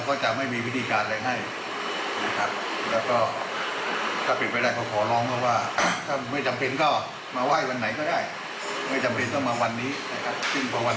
คือเราไม่รู้ว่าความคิดในใจจะยังไงขึ้นมา